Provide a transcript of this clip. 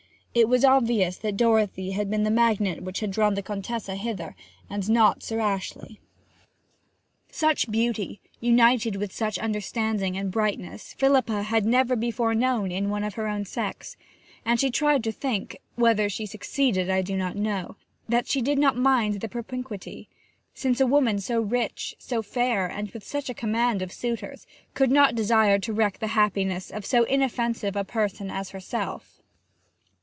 It was obvious that Dorothy had been the magnet which had drawn the Contessa hither, and not Sir Ashley. Such beauty, united with such understanding and brightness, Philippa had never before known in one of her own sex, and she tried to think (whether she succeeded I do not know) that she did not mind the propinquity; since a woman so rich, so fair, and with such a command of suitors, could not desire to wreck the happiness of so inoffensive a person as herself.